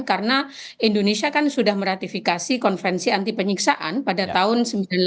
karena indonesia kan sudah meratifikasi konvensi anti penyiksaan pada tahun seribu sembilan ratus sembilan puluh delapan